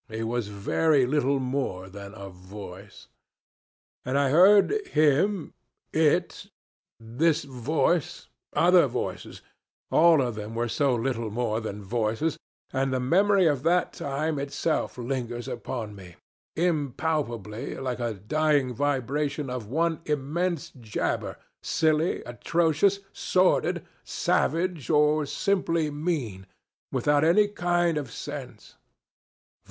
He was very little more than a voice. And I heard him it this voice other voices all of them were so little more than voices and the memory of that time itself lingers around me, impalpable, like a dying vibration of one immense jabber, silly, atrocious, sordid, savage, or simply mean, without any kind of sense.